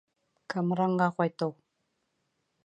Камранға ҡайтыу